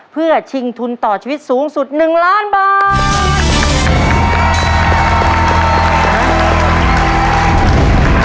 เพื่อชิงทุนต่อชีวิตสูงสุด๑ล้านบาท